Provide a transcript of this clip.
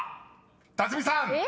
［辰巳さん］